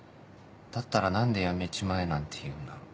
だったら何で辞めちまえなんて言うんだろう。